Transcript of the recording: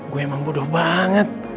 gue emang bodoh banget